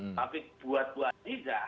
tapi buat bu adhiza